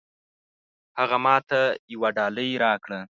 هغه ماته يوه ډالۍ راکړه.